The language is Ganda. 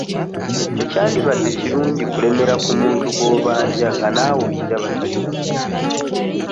Tekyandibadde kirungi kulemera ku muntu gw'obanja nga naawe okiraba talina mulimu.